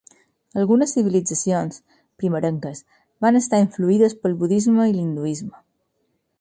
Algunes civilitzacions primerenques van estar influïdes pel budisme i l'hinduisme.